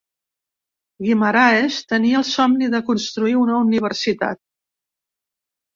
Guimaraes tenia el somni de construir una universitat.